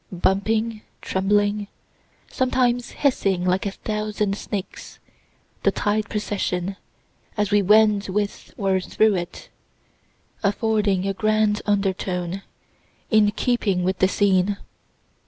Bumping, trembling, sometimes hissing like a thousand snakes, the tide procession, as we wend with or through it, affording a grand undertone, in keeping with the scene.